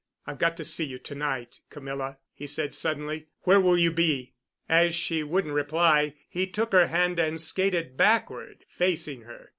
"I've got to see you to night, Camilla," he said suddenly. "Where will you be?" As she wouldn't reply, he took her hand and skated backward facing her.